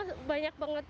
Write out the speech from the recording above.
sebelumnya sebuah lutut